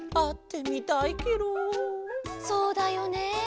そうだよね。